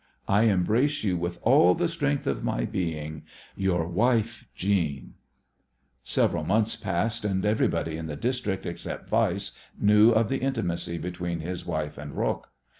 I embrace you with all the strength of my being. Your wife, Jeanne." Several months passed, and everybody in the district except Weiss knew of the intimacy between his wife and Roques.